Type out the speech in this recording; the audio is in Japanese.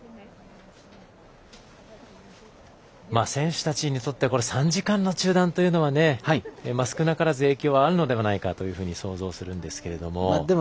選手たちにとっては３時間の中断というのは少なからず影響があるのではないかと想像はするんですけども。